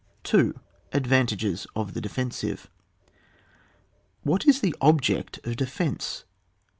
— Advantages of the Defensive. What is the object of defence?